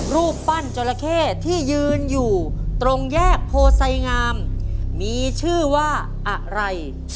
รูปปั้นจราเข้ที่ยืนอยู่ตรงแยกโพไซงามมีชื่อว่าอะไร